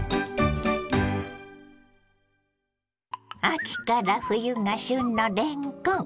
秋から冬が旬のれんこん。